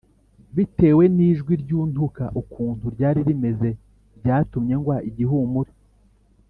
Bitewe n’ ijwi ry’ untuka ukuntu ryari rimeze byatumye ngwa igihumure